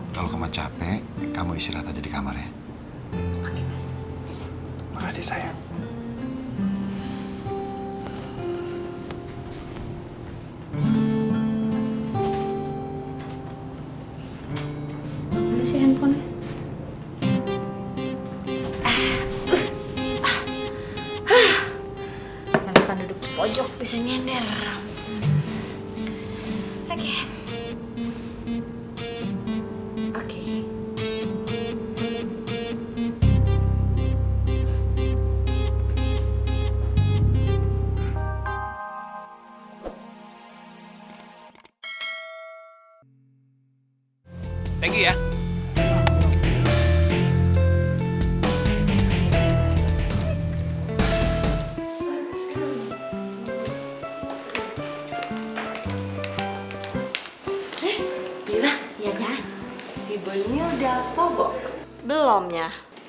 terima kasih ya